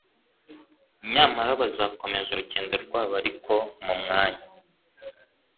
nyamara bakomeza urugendo rwabo. Ariko mu mwanya,